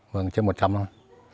vâng trên một trăm linh thôi